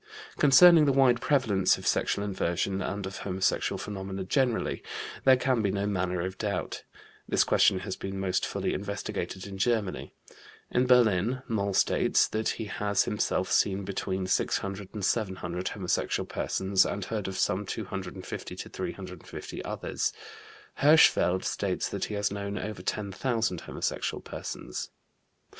Concerning the wide prevalence of sexual inversion and of homosexual phenomena generally, there can be no manner of doubt. This question has been most fully investigated in Germany. In Berlin, Moll states that he has himself seen between 600 and 700 homosexual persons and heard of some 250 to 350 others. Hirschfeld states that he has known over 10,000 homosexual persons.